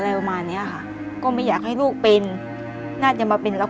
อะไรประมาณเนี้ยค่ะก็ไม่อยากให้ลูกเป็นน่าจะมาเป็นแล้ว